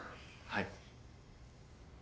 はい。